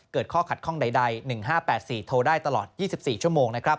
เกิดข้อขัดข้องใด๑๕๘๔โทรได้ตลอด๒๔ชั่วโมงนะครับ